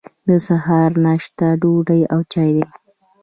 د سهار ناشته ډوډۍ او چای دی.